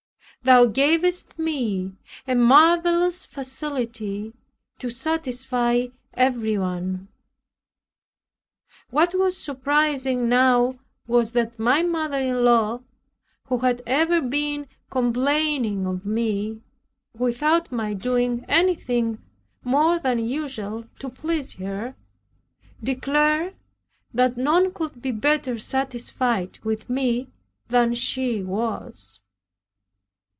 Thou gavest me a marvelous facility to satisfy everyone. What was surprising now was that my mother in law, who had ever been complaining of me, without my doing anything more than usual to please her, declared that none could be better satisfied with me than she was.